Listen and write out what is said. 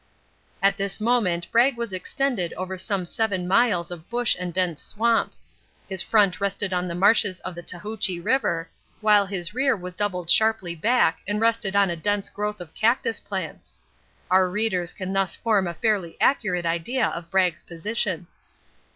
At this moment Bragg was extended over some seven miles of bush and dense swamp. His front rested on the marshes of the Tahoochie River, while his rear was doubled sharply back and rested on a dense growth of cactus plants. Our readers can thus form a fairly accurate idea of Bragg's position.